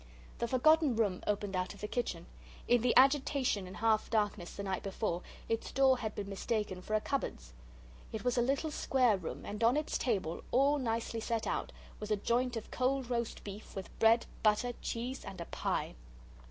The forgotten room opened out of the kitchen. In the agitation and half darkness the night before its door had been mistaken for a cupboard's. It was a little square room, and on its table, all nicely set out, was a joint of cold roast beef, with bread, butter, cheese, and a pie.